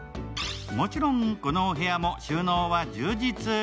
もちろん、このお部屋も収納は充実。